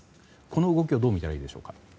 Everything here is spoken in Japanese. この動きをどう見たらいいでしょうか。